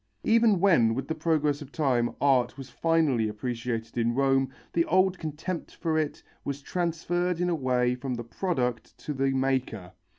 Even when with the progress of time art was finally appreciated in Rome, the old contempt for it was transferred in a way from the product to the maker.